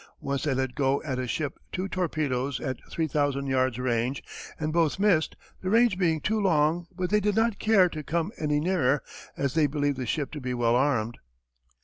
Once they let go at a ship two torpedoes at 3000 yards' range, and both missed, the range being too long but they did not care to come any nearer, as they believed the ship to be well armed.